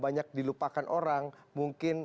banyak dilupakan orang mungkin